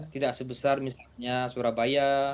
tidak sebesar misalnya surabaya